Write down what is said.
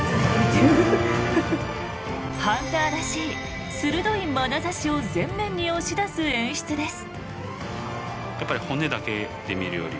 ハンターらしい鋭いまなざしを前面に押し出す演出です。